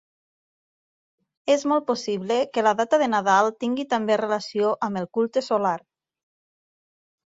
És molt possible que la data de Nadal tingui també relació amb el culte solar.